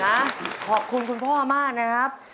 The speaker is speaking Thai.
ขอบคุณคุณพ่อมากนะครับ